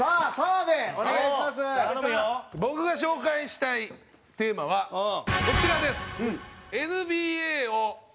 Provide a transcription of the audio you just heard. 僕が紹介したいテーマはこちらです。